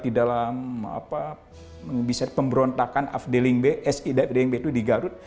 di dalam pemberontakan afdelingbe di garut